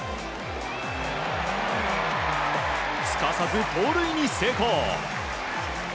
すかさず盗塁に成功！